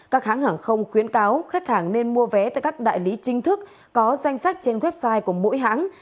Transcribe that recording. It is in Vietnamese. các hãng hàng không khuyến cáo khách hàng nên mua vé tại các đại lý chính thức có danh sách trên website của mỗi hãng